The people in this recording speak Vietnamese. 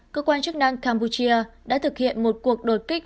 cơ quan chức năng campuchia đã thực hiện một cuộc đột kích